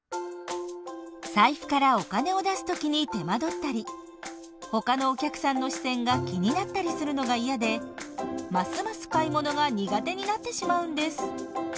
財布からお金を出す時に手間取ったりほかのお客さんの視線が気になったりするのが嫌でますます買い物が苦手になってしまうんです。